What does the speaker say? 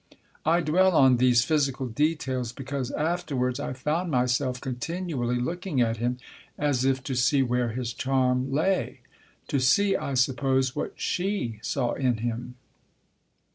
I dwell on these physical details because, afterwards, I found myself continually looking at him as if to see where his charm lay. To see, I suppose, what she saw in him.